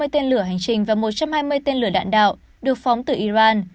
hai mươi tên lửa hành trình và một trăm hai mươi tên lửa đạn đạo được phóng từ iran